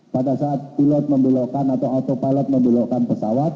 pada saat pilot membelokkan atau autopilot membelokkan pesawat